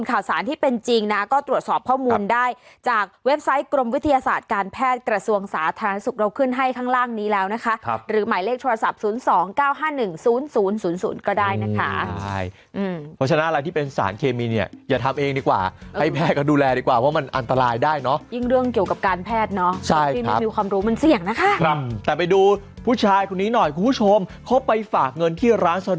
อ่าเห็นไหมก็ต้องปรับกันไป